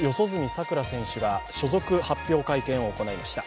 さくら選手が所属発表会見を行いました。